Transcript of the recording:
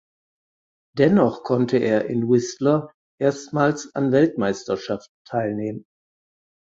Dennoch konnte er in Whistler erstmals an Weltmeisterschaften teilnehmen.